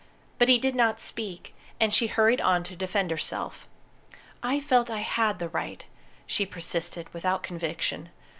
But he did not speak, and she hurried on to defend herself. "I felt I had the right," she persisted, without conviction.